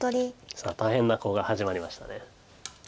さあ大変なコウが始まりました。